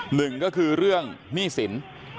หนึ่งก็คือเรื่องหนี้สิน